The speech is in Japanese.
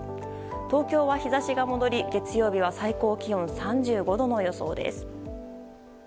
東京は日差しが戻り、月曜日は最高気温３５度の予想です。